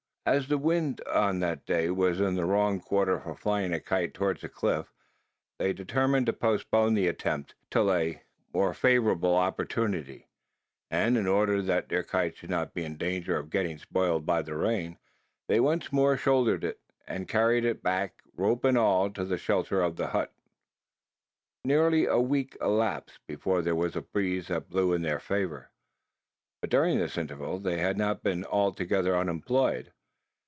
As the wind on that day was in the wrong quarter for flying a kite towards the cliff, they determined to postpone the attempt, till a more favourable opportunity; and, in order that their kite should not be in danger of getting spoiled by the rain, they once more shouldered, and carried it back, rope and all, to the shelter of the hut. Nearly a week elapsed, before there was a breeze that blew in their favour; but during this interval, they had not been altogether unemployed.